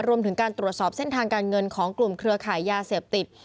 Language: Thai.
รวมถึงการตรวจสอบเส้นทางการเงินของกลุ่มเครือขายยาเสพติด